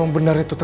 hai punya lallana